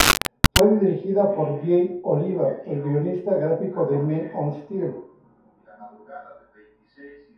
Fue dirigida por Jay Oliva, el guionista gráfico de "Man of Steel".